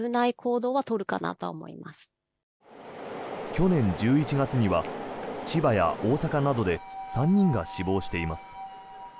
去年１１月には千葉や大阪などで３人が死亡しています。